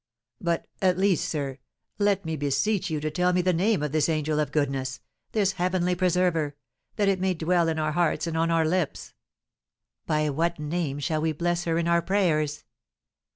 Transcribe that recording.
But, at least, sir, let me beseech you to tell me the name of this angel of goodness, this heavenly preserver, that it may dwell in our hearts and on our lips! By what name shall we bless her in our prayers?"